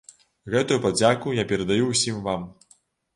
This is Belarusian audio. Гэтую падзяку я перадаю ўсім вам.